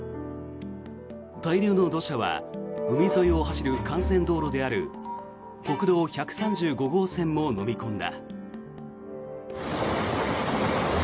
大量の土砂は海沿いを走る幹線道路である国道１３５号線ものみ込んだ。